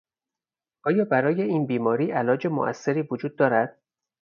آیا برای این بیماری علاج موثری وجود دارد؟